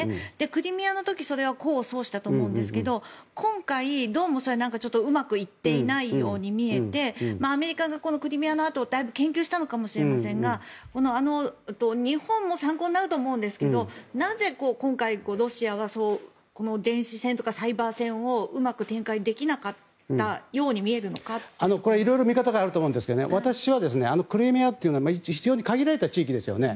クリミアの時はそれが功を奏したと思うんですが今回、どうもそれがうまくいっていないように見えてアメリカがクリミアのあとだいぶ研究したのかもしれませんが日本も参考になると思うんですけどなぜ、今回ロシアはこの電子戦とかサイバー戦をうまく展開できなかったように見えるのかというのが。これ、色々見方があると思うんですけど私はクリミアというのは限られた地域ですよね。